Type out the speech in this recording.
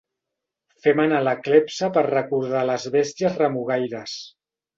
Fem anar la clepsa per recordar les bèsties remugaires.